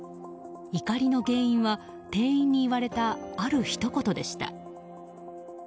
怒りの原因は店員に言われたあるひと言でした。